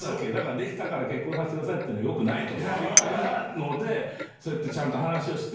できたから結婚させてくださいはよくないと思っていたのでそうやってちゃんと話をして。